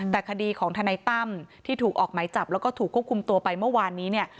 แต่คดีของทนายตั้มที่ถูกออกไหมจับแล้วก็ถูกควบคุมตัวไปเมื่อวานนี้เนี่ย